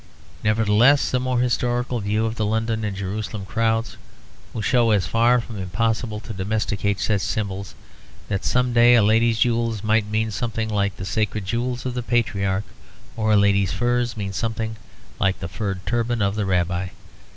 Nevertheless a more historical view of the London and Jerusalem crowds will show as far from impossible to domesticate such symbols; that some day a lady's jewels might mean something like the sacred jewels of the Patriarch, or a lady's furs mean something like the furred turban of the Rabbi.